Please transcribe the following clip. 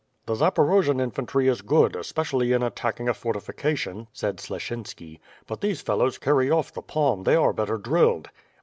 "The Zaporojian infantry is good, especially in attacking a fortification,'^ said Sleshinski. "But these fellows carry off the palm, they are better drilled."